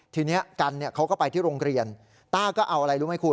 ทีเนี้ยกันเนี้ยเขาก็ไปที่โรงเฒียรต้าก็เอาอะไรรู้